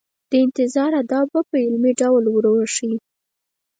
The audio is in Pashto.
د انتظار آداب په عملي ډول ور وښيي.